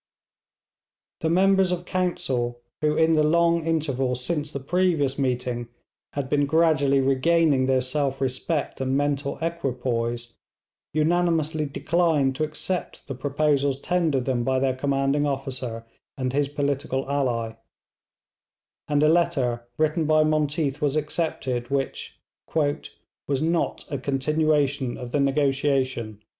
The members of council, who in the long interval since the previous meeting had been gradually regaining their self respect and mental equipoise, unanimously declined to accept the proposals tendered them by their commanding officer and his political ally; and a letter written by Monteath was accepted, which 'was not a continuation of the negotiation.'